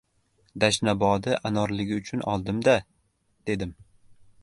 — Dashnobodi anorligi uchun oldim-da, — dedim.